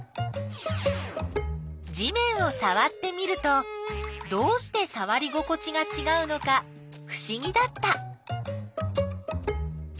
地面をさわってみるとどうしてさわり心地がちがうのかふしぎだった。